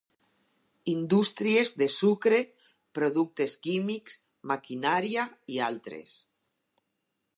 Indústries de sucre, productes químics, maquinària i altres.